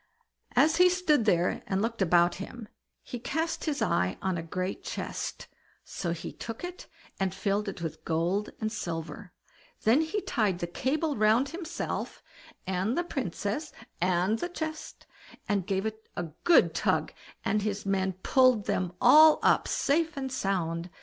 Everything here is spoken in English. As he stood there and looked about him, he cast his eye on a great chest, so he took it and filled it with gold and silver; then he tied the cable round himself and the Princess and the chest, and gave it a good tug, and his men pulled them all up, safe and sound.